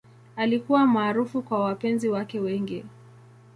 Alikuwa maarufu kwa wapenzi wake wengi.